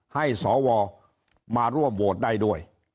ให้สวมาร่วมโหวตได้ด้วย